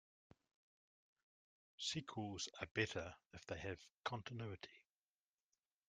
Sequels are better if they have continuity.